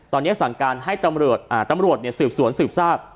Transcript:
ตอนนี้สั่งการให้ตำรวจอ่าตำรวจเนี่ยสืบสวนสืบทราบ